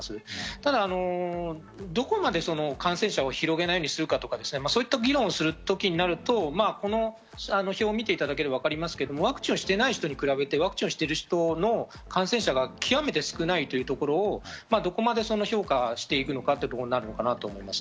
ただ、どこまで感染者を広げないようにするかとか、そういった議論をする時になると、この表を見ていただければわかりますけどワクチンをしていない方に比べてワクチンをしてる方の感染者が極めて少ないというところをどこまで評価していくかというところになると思います。